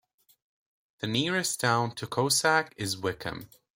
The nearest town to Cossack is Wickham.